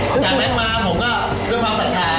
จากนั้นมาผมก็ด้วยความศรัทธา